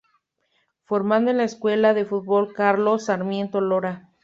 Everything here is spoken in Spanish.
Formado en la Escuela de Fútbol Carlos Sarmiento Lora.